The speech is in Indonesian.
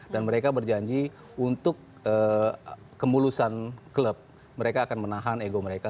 dan mereka berjanji untuk kemulusan klub mereka akan menahan ego mereka